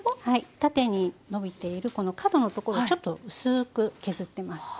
縦にのびている角のところをちょっと薄く削ってます。